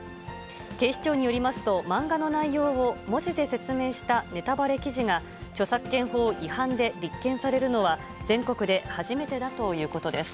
警視庁によりますと、漫画の内容を文字で説明したネタバレ記事が、著作権法違反で立件されるのは全国で初めてだということです。